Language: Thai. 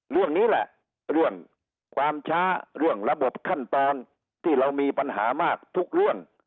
เรื่องนี้แหละเรื่องความช้าเรื่องระบบขั้นตอนที่เรามีปัญหามากทุกเรื่อง